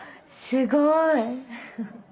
すごい。